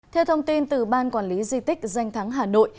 theo thông tin từ ban quản lý di tích danh thắng hà nội